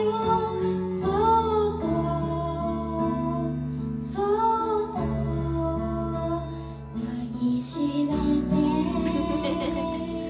「そっとそっと抱きしめて」